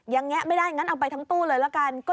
แงะไม่ได้งั้นเอาไปทั้งตู้เลยละกัน